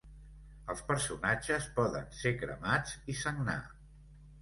Els personatges poden ser cremats i sagnar.